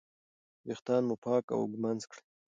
ویښتان مو پاک او ږمنځ کړئ.